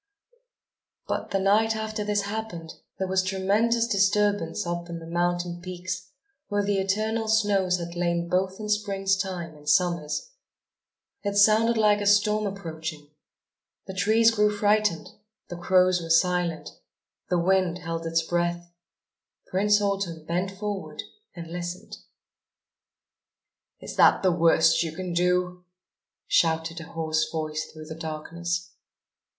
But, the night after this happened, there was tremendous disturbance up on the mountain peaks, where the eternal snows had lain both in Spring's time and Summer's. It sounded like a storm approaching. The trees grew frightened, the crows were silent, the wind held its breath. Prince Autumn bent forward and listened: "Is that the worst you can do?" shouted a hoarse voice through the darkness.